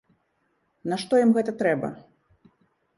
Нашто ім гэта трэба?